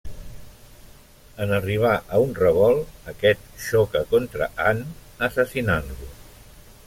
En arribar a un revolt, aquest xoca contra Han, assassinant-lo.